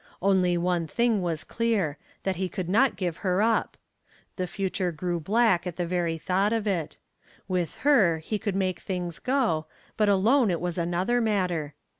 Only one thing was clear that he could not give her up. The future grew black at the very thought of it. With her he could make things go, but alone it was another matter.